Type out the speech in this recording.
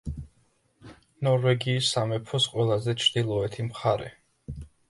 ნორვეგიის სამეფოს ყველაზე ჩრდილოეთი მხარე.